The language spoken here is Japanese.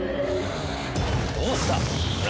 どうした？